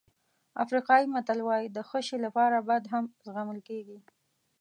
افریقایي متل وایي د ښه شی لپاره بد هم زغمل کېږي.